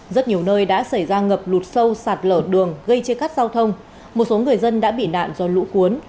rất nhiều nơi đã xảy ra ngập lụt sâu sạt lở đường gây chia cắt giao thông một số người dân đã bị nạn do lũ cuốn